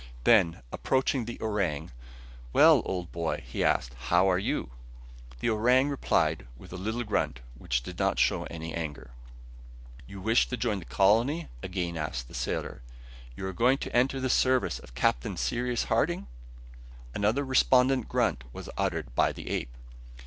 Then, approaching the orang, "Well, old boy!" he asked, "how are you?" The orang replied by a little grunt which did not show any anger. "You wish to join the colony?" again asked the sailor. "You are going to enter the service of Captain Cyrus Harding?" Another respondent grunt was uttered by the ape.